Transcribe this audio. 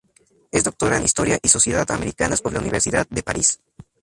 Es Doctora en Historia y Sociedad Americanas por la Universidad de París.